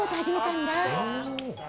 ん？